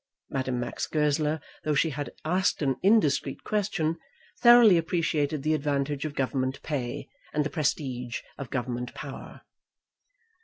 Madame Max Goesler, though she had asked an indiscreet question, thoroughly appreciated the advantage of Government pay, and the prestige of Government power.